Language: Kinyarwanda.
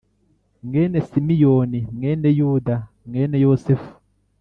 mwene Simiyoni mwene Yuda mwene Yosefu